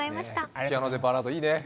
ピアノでバラードいいね。